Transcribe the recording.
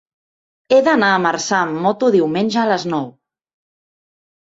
He d'anar a Marçà amb moto diumenge a les nou.